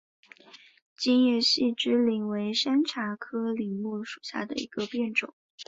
金叶细枝柃为山茶科柃木属下的一个变种。